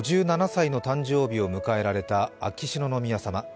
５７歳の誕生日を迎えられた秋篠宮さま。